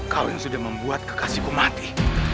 kau yang sudah membuat kekasihku mati